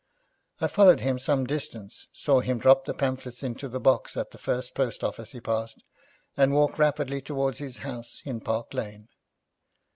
I followed him some distance, saw him drop the pamphlets into the box at the first post office he passed, and walk rapidly towards his house in Park Lane.